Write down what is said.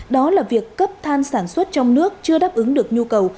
đó là việc cấp than sản xuất trong nước chưa đáp ứng được nhu cầu